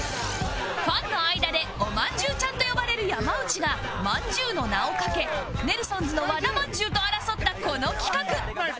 ファンの間で「おまんじゅうちゃん」と呼ばれる山内が「まんじゅう」の名を懸けネルソンズの和田まんじゅうと争ったこの企画